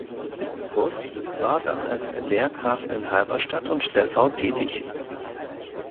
Bust war dann als Lehrkraft in Halberstadt und Dessau tätig.